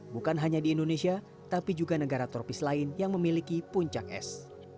bukan hanya di indonesia tapi juga negara tropis lain yang memiliki puncak es